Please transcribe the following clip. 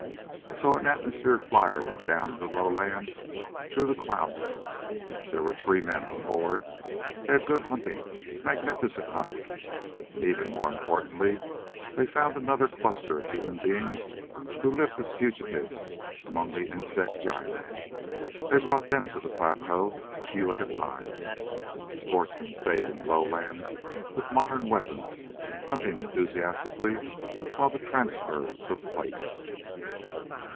So an atmosphere flier went down into the lowlands through the cloud banks. There were three men on board. They had good hunting. Magnificent hunting. Even more importantly, they found another cluster of human beings who lived as fugitives among the insect giants. They brought them to the plateau, a few at a time. Sportsmen stayed in the lowlands with modern weapons, hunting enthusiastically, while the transfer took place.